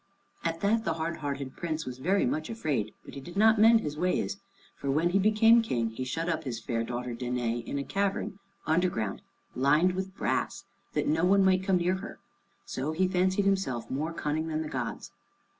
At that the hard hearted Prince was very much afraid, but he did not mend his ways. For when he became King, he shut up his fair daughter Danæ in a cavern underground, lined with brass, that no one might come near her. So he fancied himself more cunning than the gods.